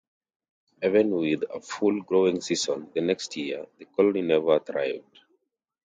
Even with a full growing season the next year, the colony never thrived.